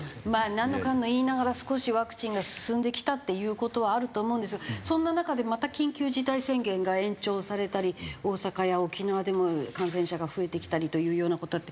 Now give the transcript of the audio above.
なんのかんの言いながら少しワクチンが進んできたっていう事はあると思うんですがそんな中でまた緊急事態宣言が延長されたり大阪や沖縄でも感染者が増えてきたりというような事もあって。